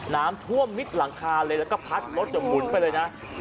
น้ำท่วมมิกหลังคาเราก็พัดรถจะหมุนไปเลยนะ